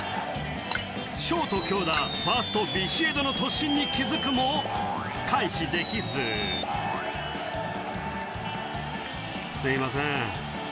ショート・京田ファーストビシエドの突進に気付くも回避できず「すいません」